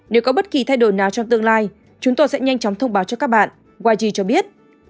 nếu có bất kỳ thay đổi nào trong tương lai chúng tôi sẽ nhanh chóng thông báo cho các bạn wiji cho biết